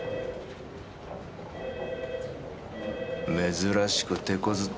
珍しく手こずってんな。